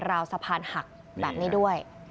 ราวสะพานหักแบบนี้ด้วย